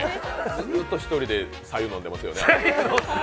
ずっと１人でさ湯飲んでますよね。